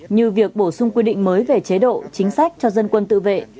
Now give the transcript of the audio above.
như việc bổ sung quy định mới về chế độ chính sách cho dân quân tự vệ